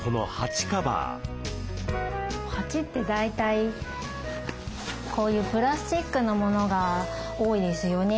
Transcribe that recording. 鉢って大体こういうプラスチックのものが多いですよね。